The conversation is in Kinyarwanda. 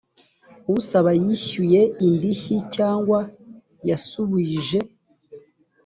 usaba yishyuye indishyi cyangwa yasubuije